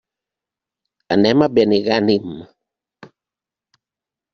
Anem a Benigànim.